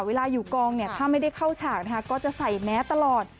เวลาอยู่กองเนี่ยถ้าไม่ได้เข้าฉากนะคะก็จะใส่แมสตลอด